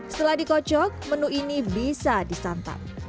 setelah dikocok menu ini bisa disantap